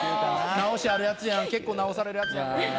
直しあるやつやん結構直されるやつや。